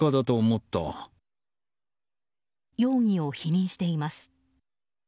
容疑を否認しています。